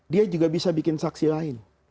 dia juga bisa bikin saksi lain